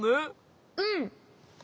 うん。